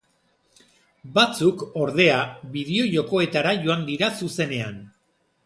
Batzuk, ordea, bideo-jokoetara joan dira zuzenean.